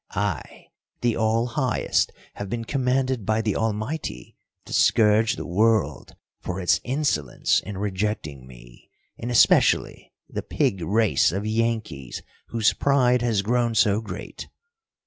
I, the All Highest, have been commanded by the Almighty to scourge the world for its insolence in rejecting me, and especially the pig race of Yankees whose pride has grown so great.